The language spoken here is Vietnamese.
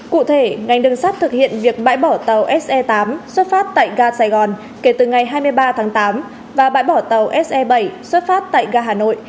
cụ thể ngành đường sắt thực hiện việc bãi bỏ tàu se tám xuất phát tại ga sài gòn kể từ ngày hai mươi ba tháng tám và bãi bỏ tàu se bảy xuất phát tại ga hà nội